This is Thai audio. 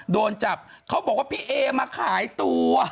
โดนจับเขาบอกว่าพี่เอมาขายตัว